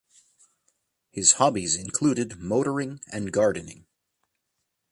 His hobbies included motoring and gardening.